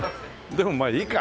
でもまあいいか。